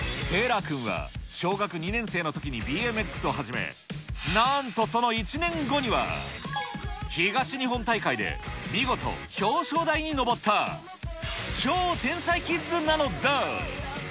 てら君は小学２年生のときにＢＭＸを始め、なんとその１年後には、東日本大会で見事、表彰台に上った超天才キッズなのだ。